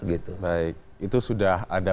gitu baik itu sudah ada